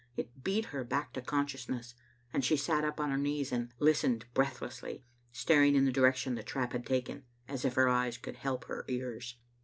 It beat her back to conscious ness, and she sat up on her knees and listened breath lessly, staring in the direction the trap had taken, as if her eyes could help her ears.